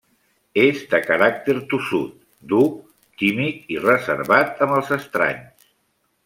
És de caràcter tossut, dur, tímid i reservat amb els estranys.